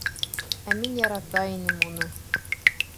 Ә мин ярата инем уны.